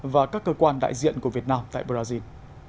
và các cơ quan đại diện của việt nam tại brazil